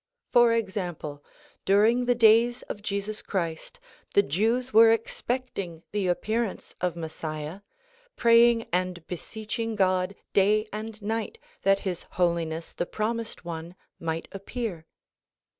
For ex ample, during the days of Jesus Christ, the Jews were expecting the appearance of Messiah, praying and beseeching God day and night that His Holiness the promised one might appear.